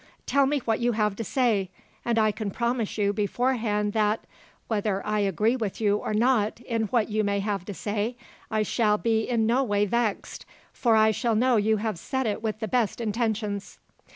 "Tell me what you have to say, and I can promise you beforehand that, whether I agree with you or not in what you may have to say, I shall be in no way vexed, for I shall know you have said it with the best intentions."